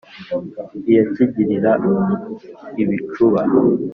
iya cyigirira ibicuba